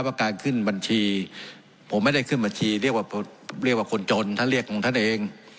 ว่าการขึ้นบัญชีผมไม่ได้ขึ้นบัญชีเรียกว่าเรียกว่าคนจนท่านเรียกของท่านเอง